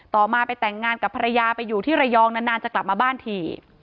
มาไปแต่งงานกับภรรยาไปอยู่ที่ระยองนานจะกลับมาบ้านที